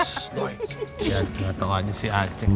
tidak tahu aja si aceh